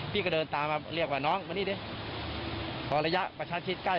พี่ก็เดินตามมาเรียกว่าน้องมานี่ดิพอระยะประชันชิดใกล้